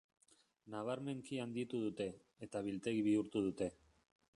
Nabarmenki handitu dute, eta biltegi bihurtu dute.